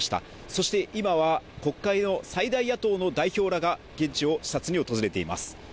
そして今は国会の最大野党の代表らが現地を視察に訪れています